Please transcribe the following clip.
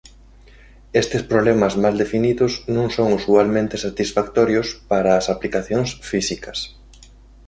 Estes problemas mal definidos non son usualmente satisfactorios para as aplicacións físicas.